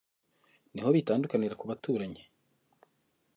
Niho bitandukanira ku baturanye